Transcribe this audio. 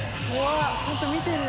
あちゃんと見てる。